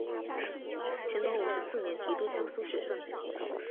乾隆五十四年提督江苏学政。